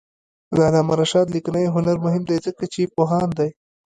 د علامه رشاد لیکنی هنر مهم دی ځکه چې پوهاند دی.